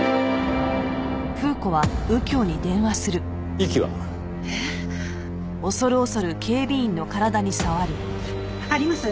息は？えっ。あります。